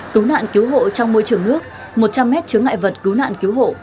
cứu nạn cứu hộ trong môi trường nước một trăm linh m chứng ngại vật cứu nạn cứu hộ